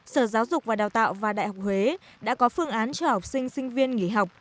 sở giáo dục và đào tạo và đại học huế đã có phương án cho học sinh sinh viên nghỉ học